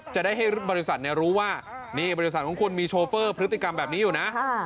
จะได้ให้บริษัทรู้ว่านี่บริษัทของคุณมีโชเฟอร์พฤติกรรมแบบนี้อยู่นะ